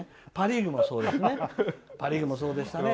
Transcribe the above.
パ・リーグもそうでしたね。